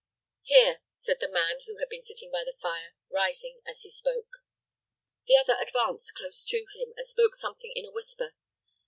"Here," said the man who had been sitting by the fire, rising as he spoke. The other advanced close to him, and spoke something in a whisper.